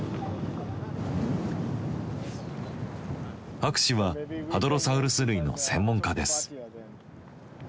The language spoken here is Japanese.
博士はハドロサウルス類の専門家です。